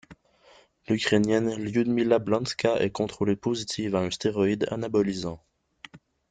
L'Ukrainienne Lyudmyla Blonska est contrôlée positive à un stéroïde anabolisant.